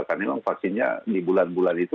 karena memang vaksinnya di bulan bulan itu